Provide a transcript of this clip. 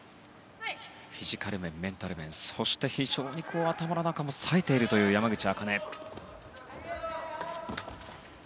フィジカル面、メンタル面そして非常に頭の中も冴えている山口茜。